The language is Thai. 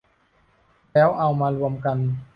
แล้วเอามารวมกัน